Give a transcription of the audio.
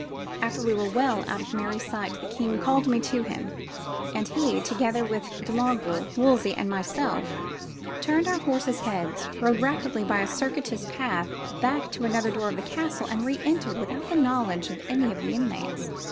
After we were well out of Mary's sight the king called me to him, and he, together with de Longueville, Wolsey and myself, turned our horses' heads, rode rapidly by a circuitous path back to another door of the castle and re entered without the knowledge of any of the inmates.